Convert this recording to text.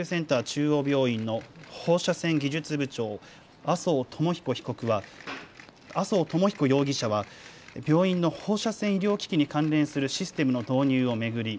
中央病院の放射線技術部長、麻生智彦容疑者は病院の放射線医療機器に関連するシステムの導入を巡り